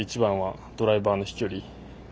一番はドライバーの飛距離。